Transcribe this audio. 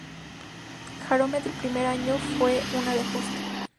Jarome del primer año fue una de ajuste.